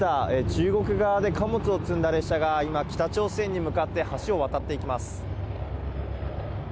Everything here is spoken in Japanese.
中国側で貨物を積んだ列車が今、北朝鮮に向かって橋を渡っていきます。